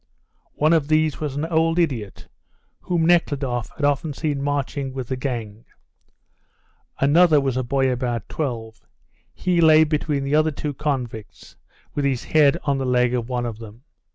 One of these was an old idiot, whom Nekhludoff had often seen marching with the gang; another was a boy about twelve; he lay between the two other convicts, with his head on the leg of one of them.